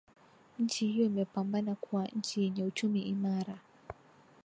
Nchi hiyo imepambana kuwa nchi yenye uchumi imara